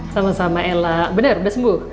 sama sama elak benar udah sembuh